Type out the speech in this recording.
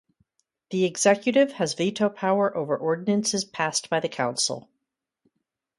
The Executive has veto power over ordinances passed by the Council.